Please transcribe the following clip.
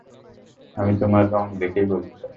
আমি তোমার রঙ দেখেই বলতে পারি।